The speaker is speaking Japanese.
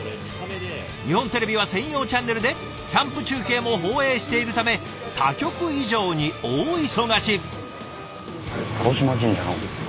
日本テレビは専用チャンネルでキャンプ中継も放映しているため他局以上に大忙し。